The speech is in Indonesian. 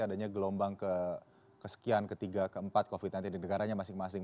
adanya gelombang kesekian ketiga keempat covid sembilan belas di negaranya masing masing